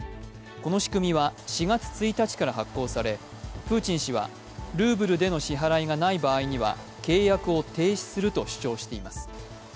この仕組みは４月１日から発効され、プーチン氏はルーブルでの支払がない場合には契約を停止すると主張しています。